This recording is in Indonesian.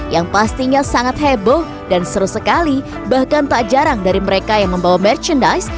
yang pastinya sangat heboh dan seru sekali bahkan tak jarang dari mereka yang membawa merchandise